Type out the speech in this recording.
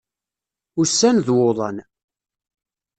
Ussan d wuḍan.